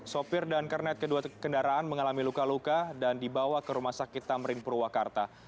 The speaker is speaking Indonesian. sopir dan kernet kedua kendaraan mengalami luka luka dan dibawa ke rumah sakit tamrin purwakarta